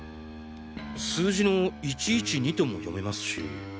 数字の「１１２」とも読めますし。